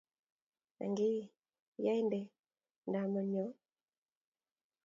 Angii, iyae ne ndama nyo?